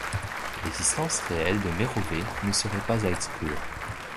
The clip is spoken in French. L'existence réelle de Mérovée ne serait pas à exclure.